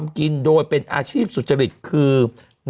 มันติดคุกออกไปออกมาได้สองเดือน